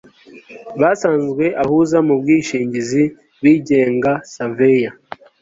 basanzwe abahuza mu bwishingizi bigenga surveyor